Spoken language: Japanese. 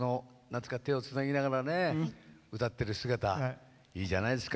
手をつなぎながら歌ってる姿、いいじゃないですか。